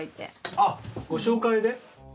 あっご紹介で？